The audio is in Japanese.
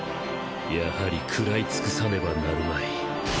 やはり食らいつくさねばなるまい。